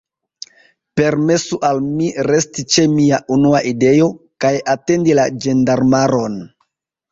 Permesu al mi, resti ĉe mia unua ideo, kaj atendi la ĝendarmaron.